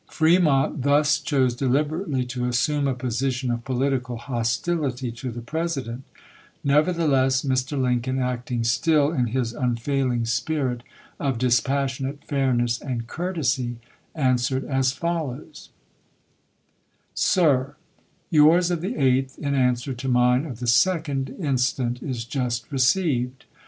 Fremont thus chose deliberately to assume a position of political hostility to the President. 420 ABRAHAM LINCOLN ch. XXIV. Nevertheless Mr. Lincoln, acting still in his unfail ing spirit of dispassionate fairness and courtesy, answered as follows : Sir : Yours of the 8th in answer to mine of the 2d instant is just received.